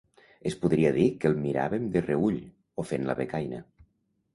Es podria dir que el miràvem de reüll, o fent la becaina.